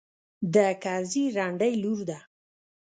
د کرزي رنډۍ لور ده.